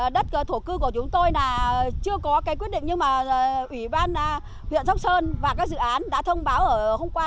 đất thổ cư của chúng tôi chưa có quyết định nhưng ủy ban huyện sóc sơn và các dự án đã thông báo hôm qua